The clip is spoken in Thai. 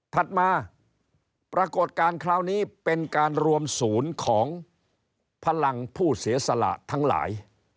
ถัดมาปรากฏการณ์คราวนี้เป็นการรวมศูนย์ของพลังผู้เสียสละทั้งหลาย